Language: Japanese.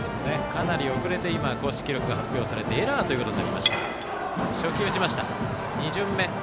かなり遅れて公式記録が発表されて今のはエラーとなりました。